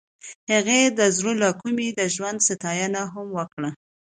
هغې د زړه له کومې د ژوند ستاینه هم وکړه.